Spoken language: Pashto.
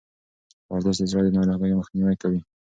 ورزش د زړه د ناروغیو مخنیوی کوي.